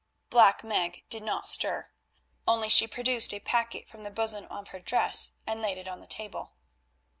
Black Meg did not stir, only she produced a packet from the bosom of her dress and laid it on the table.